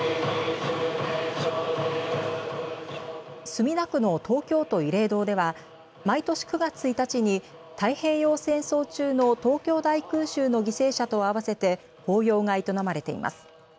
墨田区の東京都慰霊堂では毎年９月１日に太平洋戦争中の東京大空襲の犠牲者とあわせて法要が営まれています。